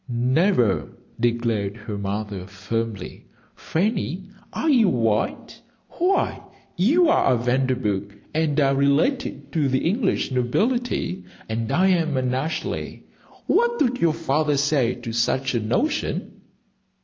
"Never!" declared her mother, firmly. "Fanny, are you wild? Why, you are a Vanderburgh and are related to the English nobility, and I am an Ashleigh. What would your father say to such a notion?"